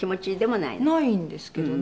「ないんですけどね」